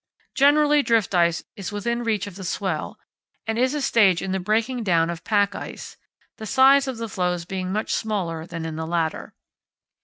Generally drift ice is within reach of the swell, and is a stage in the breaking down of pack ice, the size of the floes being much smaller than in the latter.